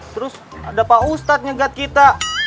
terus ada pak ustadz nyegat kita